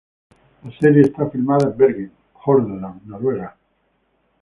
La serie es filmada en Bergen, Hordaland, Noruega.